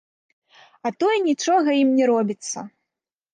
А то і нічога ім не робіцца.